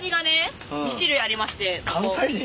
関西人？